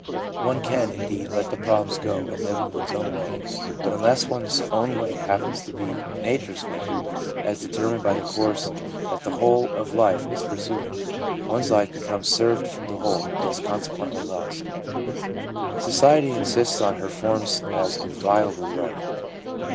One can, indeed, let the problems go, and live in one's own way; but unless one's own way happens to be nature's way, as determined by the course that the whole of life is pursuing, one's life becomes severed from the whole, and is consequently lost. Society insists on her forms as inviolably right.